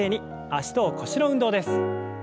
脚と腰の運動です。